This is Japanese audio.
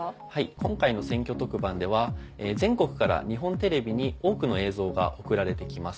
今回の選挙特番では全国から日本テレビに多くの映像が送られて来ます。